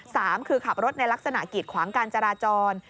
สามคือขับรถในลักษณะกีดขวางการจราจร